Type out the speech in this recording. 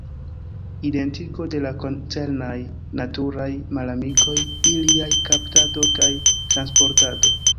Identigo de la koncernaj naturaj malamikoj, iliaj kaptado kaj transportado.